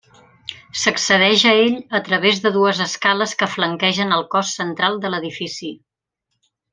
S'accedeix a ell a través de dues escales que flanquegen el cos central de l'edifici.